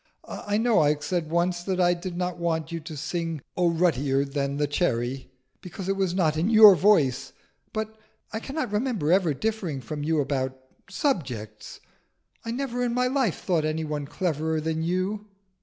I know I said once that I did not want you to sing 'Oh ruddier than the cherry,' because it was not in your voice. But I cannot remember ever differing from you about subjects. I never in my life thought any one cleverer than you."